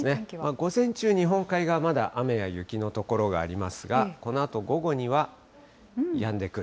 午前中、日本海側はまだ、雨や雪の所がありますが、このあと午後にはやんでくる。